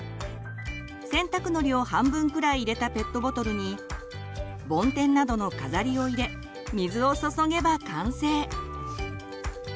洗濯のりを半分くらい入れたペットボトルにボンテンなどの飾りを入れ水を注げば完成。